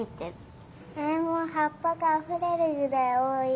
もうはっぱがあふれるぐらいおおい。